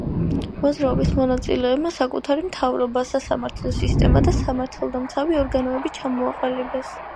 მოძრაობის მონაწილეებმა საკუთარი მთავრობა, სასამართლო სისტემა და სამართალდამცავი ორგანოები ჩამოაყალიბეს.